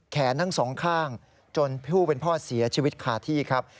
แขนทั้งสองข้างจนผู้เป็นพ่อเสียชีวิตคาที่ครับ